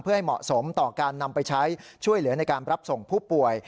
เพื่อให้เหมาะสมต่อการนำไปใช้ช่วยเหลือในการรับส่งผู้ป่วย